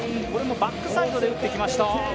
これもバックサイドで打ってきました。